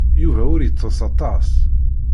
Yuba ur ittess aṭas.